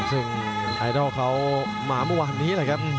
ซึ่งแอดอลเขามาเมื่อวานนี้